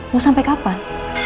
mau sampai kapan